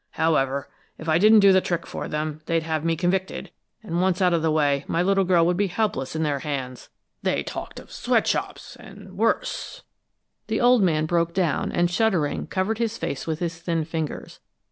However, if I didn't do the trick for them, they'd have me convicted, and once out of the way, my little girl would be helpless in their hands. They talked of sweatshops, and worse " The old man broke down, and shuddering, covered his face with his thin fingers.